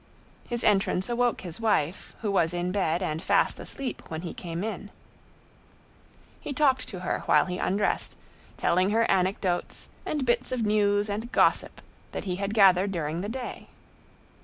His entrance awoke his wife, who was in bed and fast asleep when he came in. He talked to her while he undressed, telling her anecdotes and bits of news and gossip that he had gathered during the day.